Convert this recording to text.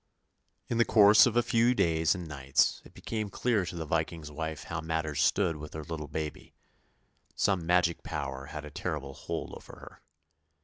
In the course of a few days and nights it became clear to the Viking's wife how matters stood with her little baby; some magic power had a terrible hold over her.